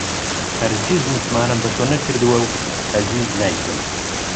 هەرگیز متمانەم بە تۆ نەکردووە و هەرگیز نایکەم.